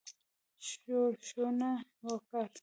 ښورښونه وکړي.